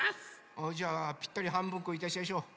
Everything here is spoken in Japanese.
あじゃあぴったりはんぶんこいたしやしょう。